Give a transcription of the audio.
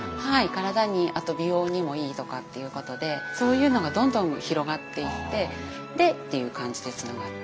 体にあと美容にもいいとかっていうことでそういうのがどんどん広がっていってでっていう感じでつながる。